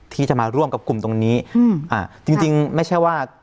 ที่จะมาร่วมกับกลุ่มตรงนี้อืมอ่าจริงจริงไม่ใช่ว่า